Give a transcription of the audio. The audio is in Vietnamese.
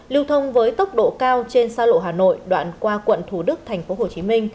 lưu thông với tốc độ cao trên xa lộ hà nội đoạn qua quận thủ đức tp hcm